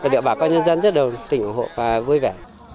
điện bà con nhân dân rất là tỉnh hộp và vui vẻ